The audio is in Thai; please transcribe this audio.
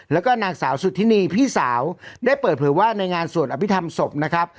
แล้วก็นางสาวสุธินีพี่สาวได้เปิดเผยว่าในงานสวดอภิษฐรรมศพนะครับ